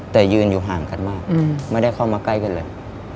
แต่ยืนอยู่ห่างกันมากไม่ได้เข้ามาใกล้กันเลย